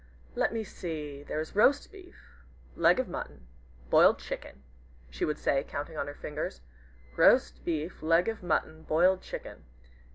"Let me see there is roast beef leg of mutton boiled chicken," she would say, counting on her fingers, "roast beef leg of mutton boiled chicken.